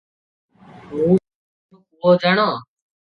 ମୁଁ ତୁମର ପୁଅ ଜାଣ ।